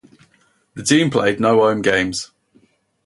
The team played no home games.